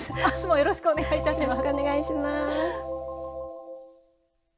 よろしくお願いします。